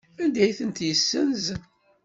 Anda ay tent-yessenz?